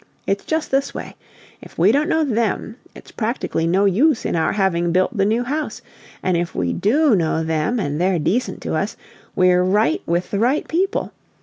It's just this way: if we don't know THEM, it's practically no use in our having built the New House; and if we DO know them and they're decent to us, we're right with the right people.